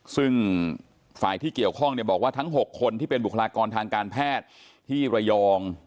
ซึ่งฝ่ายที่เกี่ยวข้องเนี่ยบอกว่าทั้ง๖คนที่เป็นบุคลากรทางการแพทย์ที่ระยอง